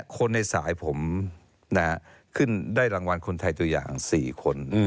คนในสายผมขึ้นได้รางวัลคนไทยตัวอย่าง๔คน